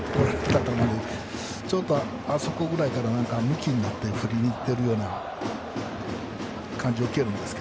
ちょっとあそこぐらいからむきになって振りにいってる感じを受けるんです。